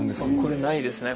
これないですね。